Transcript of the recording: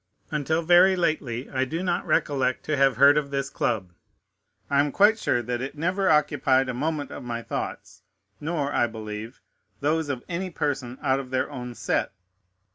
Until very lately I do not recollect to have heard of this club. I am quite sure that it never occupied a moment of my thoughts, nor, I believe, those of any person out of their own set.